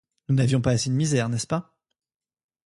Nous n'avions pas assez de misère, n'est-ce pas?